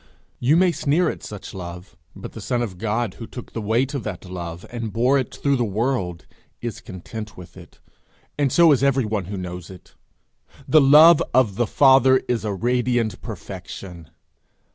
You may sneer at such love, but the Son of God who took the weight of that love, and bore it through the world, is content with it, and so is everyone who knows it. The love of the Father is a radiant perfection.